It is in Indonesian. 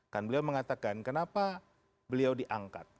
kan beliau mengatakan kenapa beliau diangkat